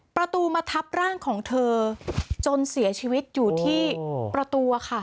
ประตูมาทับร่างของเธอจนเสียชีวิตอยู่ที่ประตูค่ะ